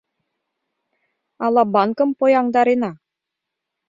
— Ала банкым пояҥдарена?